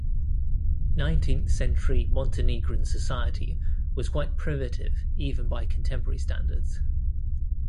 Nineteenth-century Montenegrin society was quite primitive even by contemporary standards.